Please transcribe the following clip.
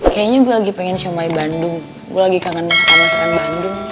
kayaknya gue lagi pengen shumai bandung gue lagi kangen masakan bandung